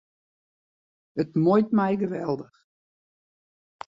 It muoit my geweldich.